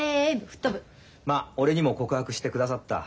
まあ俺にも告白してくださった。